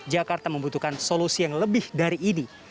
jakarta membutuhkan solusi yang lebih dari ini